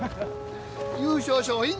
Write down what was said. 優勝賞品